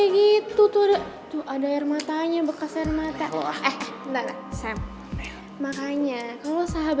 gimana keadaannya roman